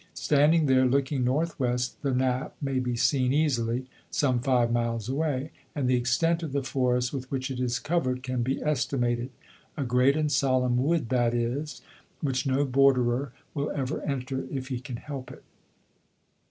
Standing there, looking north west, the Knapp may be seen easily, some five miles away; and the extent of the forest with which it is covered can be estimated. A great and solemn wood that is, which no borderer will ever enter if he can help it.